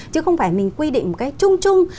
chứ không phải mình quy định một cách chung chung